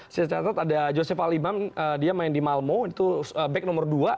saya catat ada joseph libang dia main di malmo itu back nomor dua